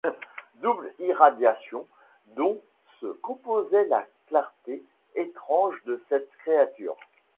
Double irradiation dont se composait la clarté étrange de cette créature.